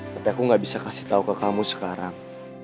tapi aku gak bisa kasih tahu ke kamu sekarang